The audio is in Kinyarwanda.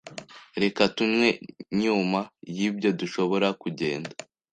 Reka tunywe nyuma yibyo dushobora kugenda